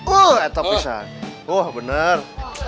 oh itu pisah oh bener